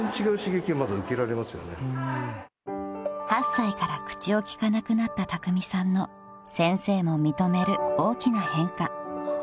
［８歳から口を利かなくなったたくみさんの先生も認める大きな変化］